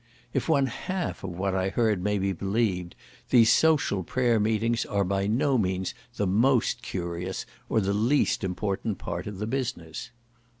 If one half of what I heard may be believed, these social prayer meetings are by no means the most curious, or the least important part of the business.